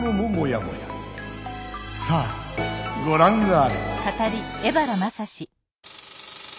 さあごらんあれ！